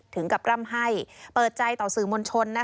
ถึงกับร่ำให้เปิดใจต่อสื่อมวลชน